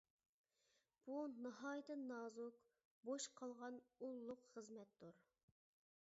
بۇ ناھايىتى نازۇك «بوش قالغان» ئۇللۇق خىزمەتتۇر.